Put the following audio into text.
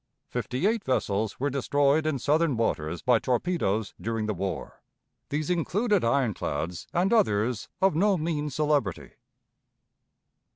Fifty eight vessels were destroyed in Southern waters by torpedoes during the war; these included ironclads and others of no mean celebrity.